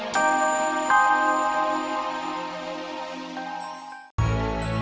sahur sahur sahur